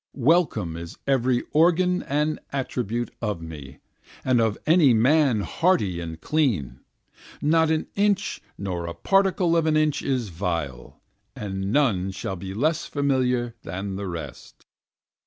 Welcome is every organ and attribute of me, and of any man hearty and clean, Not an inch nor a particle of an inch is vile, and none shall be less familiar than the rest.